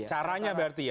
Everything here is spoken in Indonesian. caranya berarti ya